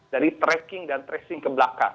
dari tracking dan tracing ke belakang